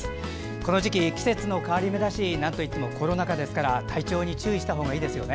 この時期、季節の変わり目だしなんといってもコロナ禍ですから体調に注意したほうがいいですよね。